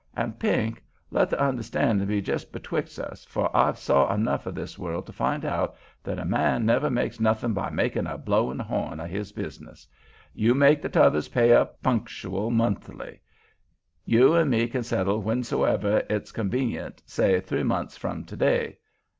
An' Pink, let the understandin' be jes' betwix' us, for I've saw enough o' this world to find out that a man never makes nothin' by makin' a blowin' horn o' his business. You make the t'others pay up spuntial, monthly. You 'n' me can settle whensomever it's convenant, say three months from to day.